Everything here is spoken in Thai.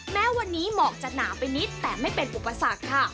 แม้วันนี้หมอกจะหนาไปนิดแต่ไม่เป็นอุปสรรคค่ะ